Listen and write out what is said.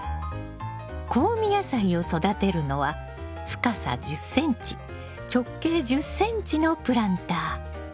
香味野菜を育てるのは深さ１０ｃｍ直径１０ｃｍのプランター。